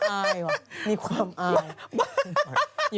อายเหรอมีความอาย